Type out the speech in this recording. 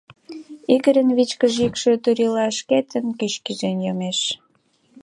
Игорьын вичкыж йӱкшӧ турийла шкетын кӱш кӱзен йомеш.